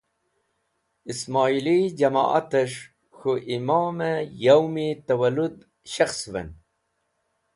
Ismoili Jamoat es̃h K̃hu Imom e Yaumi Tawalud Skhesuven